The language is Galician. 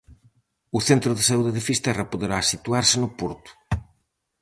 O centro de saúde de Fisterra poderá situarse no porto.